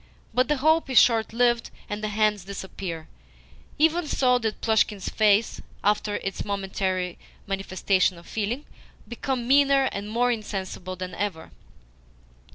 But the hope is short lived, and the hands disappear. Even so did Plushkin's face, after its momentary manifestation of feeling, become meaner and more insensible than ever.